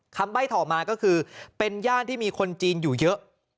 ใบ้ถ่อมาก็คือเป็นย่านที่มีคนจีนอยู่เยอะ